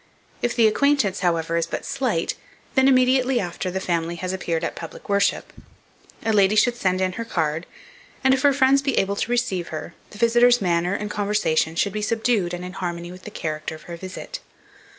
If the acquaintance, however, is but slight, then immediately after the family has appeared at public worship. A lady should send in her card, and if her friends be able to receive her, the visitor's manner and conversation should be subdued and in harmony with the character of her visit.